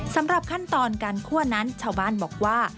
สำหรับขั้นตอนการคั่วนั้นชาวบ้านบอกว่า